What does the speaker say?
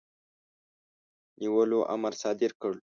نیولو امر صادر کړ.